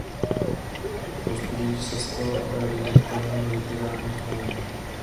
Po studiích se stal redaktorem "Literárních novin".